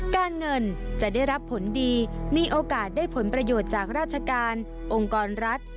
การเงินจะได้รับผลดีมีโอกาสได้ผลประโยชน์จากราชการองค์กรรัฐ